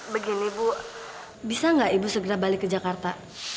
begini bu bisa nggak ibu segera balik ke jakarta